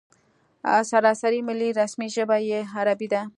سراسري ملي رسمي ژبه یې عربي ده.